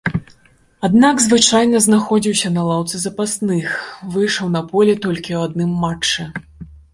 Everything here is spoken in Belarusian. Аднак, звычайна знаходзіўся на лаўцы запасных, выйшаў на поле толькі ў адным матчы.